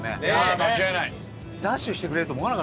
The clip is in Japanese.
間違いない！